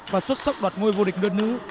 và xuất sốc đoạt ngôi vô địch đơn nữ